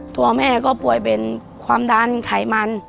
ตัวแม่ก็ป่วยเป็นความดันไขมัน